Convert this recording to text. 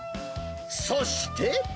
そして。